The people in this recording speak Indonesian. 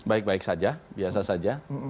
baik baik saja biasa saja